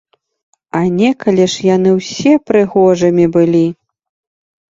А некалі ж яны ўсе прыгожымі былі!